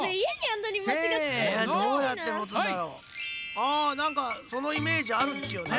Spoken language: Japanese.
ああなんかそのイメージあるっちよね。